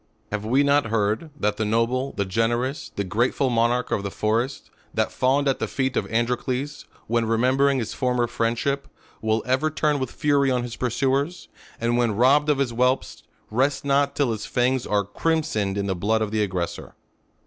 Have we not heard, that the noble, the generous, the grateful monarch of the forest, that fawned at the feet of Androcles, when remembering his former friend ship, will ever turn with fury on his pursuers ; and when robbed of his whelps, rests not till his fangs are crimsoned in the blood of the aggressor